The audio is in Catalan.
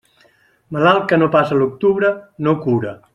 Malalt que no passa l'octubre, no cura.